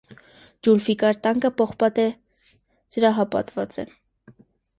Զուլֆիկար տանկը պողպատե զրահապատված է։